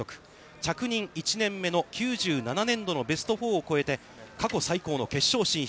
着任１年目の９７年度のベスト４を越えて過去最高の決勝進出。